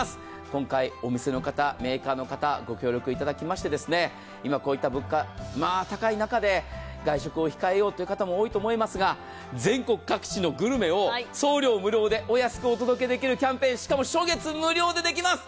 今回、お店の方、メーカーの方、ご協力いただきましてですね、今、こういった物価が高い中で外食を控えようという方も多いと思いますが全国各地のグルメを送料無料でてお安くお届けできるキャンペーン、しかも初月無料でできます。